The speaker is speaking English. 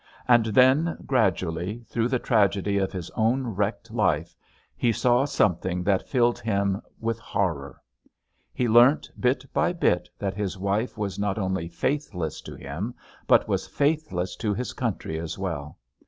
And then, gradually, through the tragedy of his own wrecked life, he saw something that filled him with horror. He learnt, bit by bit, that his wife was not only faithless to him, but was faithless to his country as well.